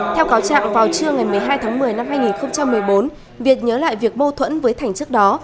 theo cáo trạng vào trưa ngày một mươi hai tháng một mươi năm hai nghìn một mươi bốn việt nhớ lại việc mâu thuẫn với thành trước đó